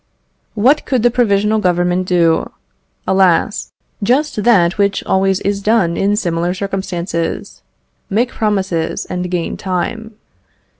What could the Provisional Government do? Alas! just that which always is done in similar circumstances make promises, and gain time.